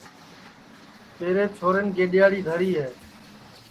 تیرے چھورین گیڈؔیاڑی دھری ہے